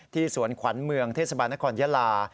สวนขวัญเมืองเทศบาลนครยาลา